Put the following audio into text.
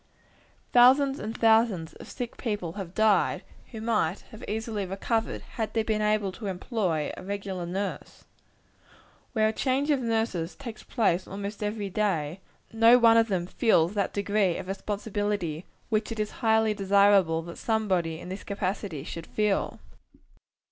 Thousands and thousands of sick people have died, who might easily have recovered, had they been able to employ a regular nurse. Where a change of nurses takes place almost every day, no one of them feels that degree of responsibility which it is highly desirable that somebody, in this capacity, should feel.